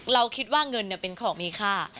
เราคิดว่าเงินเป็นของมีค่า